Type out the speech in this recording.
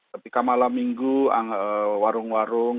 ketika malam minggu warung warung bergerak velg